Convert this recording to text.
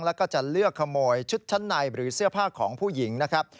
แล้วก็จะเลือกขโมยชุดชั้นในหรือเสื้อผ้าของผู้หญิงนะครับ